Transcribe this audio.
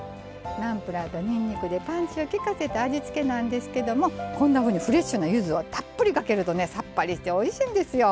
ナムプラーとにんにくでパンチをきかせた味付けなんですけどもこんなふうにフレッシュなゆずをたっぷりかけるとねさっぱりしておいしいんですよ。